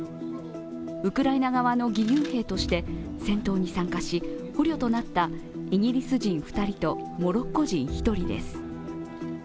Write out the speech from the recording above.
ウクライナ側の義勇兵として戦闘に参加し捕虜となったイギリス人２人とモロッコ人１人です。